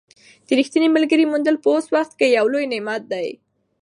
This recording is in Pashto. د ریښتیني ملګري موندل په اوس وخت کې یو لوی نعمت دی.